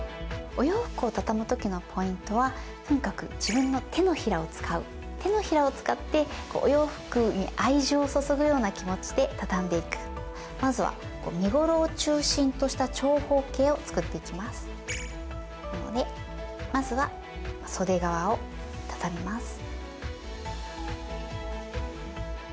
お洋服をたたむ時のポイントはとにかく自分の手のひらを使う手のひらを使ってこうお洋服に愛情を注ぐような気持ちでたたんでいくまずは身ごろを中心とした長方形を作っていきますなのでまずは袖側をたたみます